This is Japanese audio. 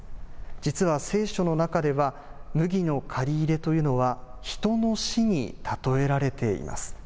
実は聖書の中では、麦の刈り入れというのは人の死に例えられています。